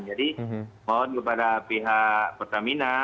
jadi mohon kepada pihak pertamina